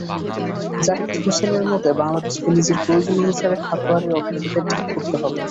জাহিদ হোসেনের মতে, বাংলাদেশকে নিজের প্রয়োজন অনুসারে খাতওয়ারি অগ্রাধিকার ঠিক করতে হবে।